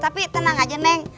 tapi tenang aja neng